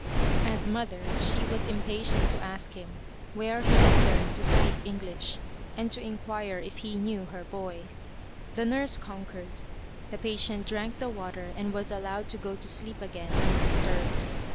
As mother, she was impatient to ask him where he had learned to speak English, and to inquire if he knew her boy. The nurse conquered. The patient drank the water and was allowed to go to sleep again undisturbed.